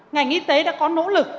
ngành y tế đã có nỗ lực